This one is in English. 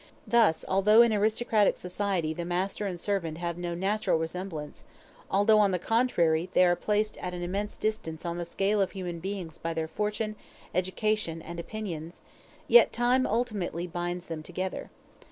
Thus, although in aristocratic society the master and servant have no natural resemblance although, on the contrary, they are placed at an immense distance on the scale of human beings by their fortune, education, and opinions yet time ultimately binds them together.